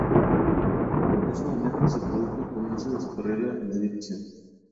En ese momento se produce el comienzo de su carrera en la dirección.